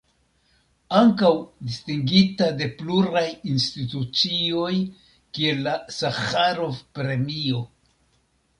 Ankaŭ distingita de pluraj institucioj kiel la Saĥarov-Premio.